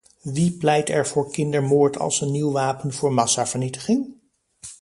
Wie pleit er voor kindermoord als een nieuw wapen voor massavernietiging?